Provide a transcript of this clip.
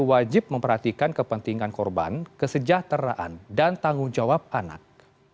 wajib memperhatikan kepentingan korban kesejahteraan dan tanggung jawab anak